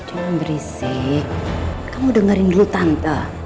cuma berisik kamu dengerin dulu tante